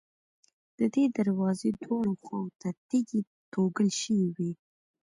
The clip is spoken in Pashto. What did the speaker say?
د دې دروازې دواړو خواوو ته تیږې توږل شوې وې.